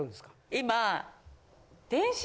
今。